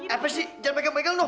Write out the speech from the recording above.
eh pasti jangan pegang pegang dong